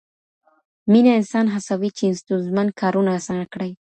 مینه انسان هڅوي چې ستونزمن کارونه اسانه کړي.